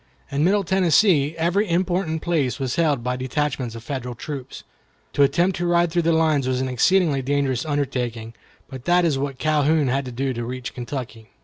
In Middle Tennessee every important place was held by detachments of Federal troops. To attempt to ride through the lines was an exceedingly dangerous undertaking, but that is what Calhoun had to do to reach Kentucky.